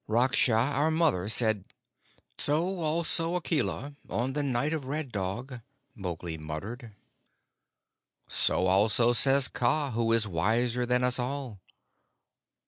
Raksha, our mother, said " "So also said Akela on the night of Red Dog," Mowgli muttered. "So also says Kaa, who is wiser than us all."